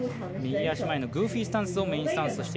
右足前グーフィースタンスがメイン。